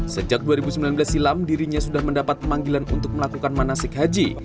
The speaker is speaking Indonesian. sejak dua ribu sembilan belas silam dirinya sudah mendapat pemanggilan untuk melakukan manasik haji